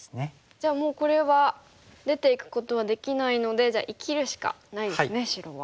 じゃあもうこれは出ていくことはできないので生きるしかないですね白は。